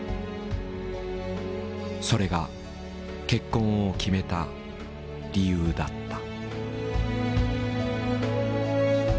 それが結婚を決めた理由だった。